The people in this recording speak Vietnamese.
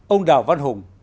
ông đào văn hùng